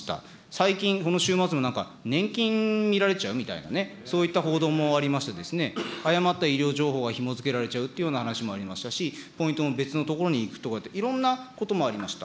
最近、この週末も年金見られちゃうみたいなね、そういった報道もありまして、誤った医療情報がひも付けられちゃうという話もありましたし、ポイントも別のところに行くとかといった、いろんなこともありました。